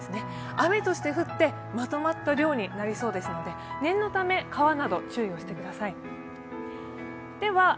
雨として降って、まとまった量になりそうですので、念のため川など注意をしてください。